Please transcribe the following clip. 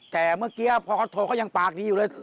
แต่เมื่อกี้พอเขาโทรเขายังปากดีอยู่เลย